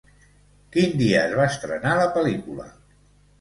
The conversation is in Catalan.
Quin dia es va estrenar la pel·lícula?